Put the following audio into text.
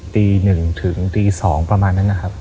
ตีหนึ่งถึงหรือตีสองประมาณนั้นนะครับ